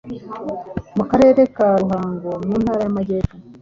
mu Karere ka Ruhango mu Ntara y’Amajyepfo.